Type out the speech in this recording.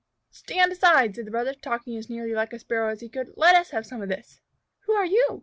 "Stand aside!" said the brother, talking as nearly like a Sparrow as he could. "Let us have some of this!" "Who are you?"